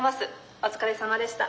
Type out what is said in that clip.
お疲れさまでした」。